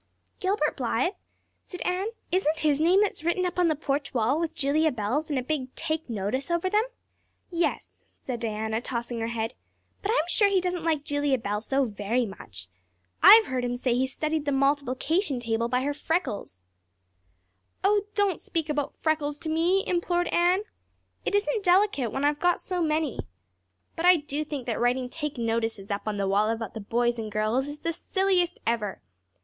"Gilbert Blythe?" said Anne. "Isn't his name that's written up on the porch wall with Julia Bell's and a big 'Take Notice' over them?" "Yes," said Diana, tossing her head, "but I'm sure he doesn't like Julia Bell so very much. I've heard him say he studied the multiplication table by her freckles." "Oh, don't speak about freckles to me," implored Anne. "It isn't delicate when I've got so many. But I do think that writing take notices up on the wall about the boys and girls is the silliest ever.